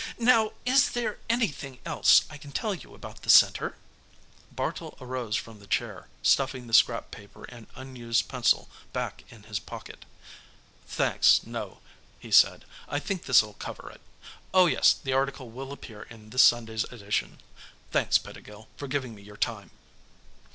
"Now, is there anything else I can tell you about the Center?" Bartle arose from the chair, stuffing the scrap paper and unused pencil back in his pocket. "Thanks, no," he said, "I think this'll cover it. Oh yes, the article will appear in this Sunday's edition. Thanks, Pettigill, for giving me your time."